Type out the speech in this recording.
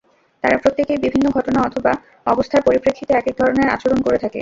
তারা প্রত্যেকেই বিভিন্ন ঘটনা অথবা অবস্থার পরিপ্রেক্ষিতে একেক ধরনের আচরণ করে থাকে।